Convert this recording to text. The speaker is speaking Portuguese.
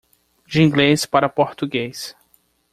De Inglês para Português.